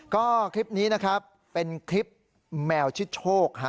ก็คลิปนี้นะครับเป็นคลิปแมวชื่อโชคฮะ